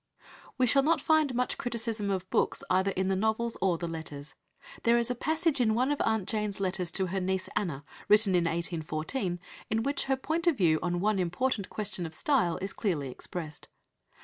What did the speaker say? We shall not find much criticism of books either in the novels or the letters. There is a passage in one of "Aunt Jane's" letters to her niece Anna, written in 1814, in which her point of view on one important question of style is clearly expressed.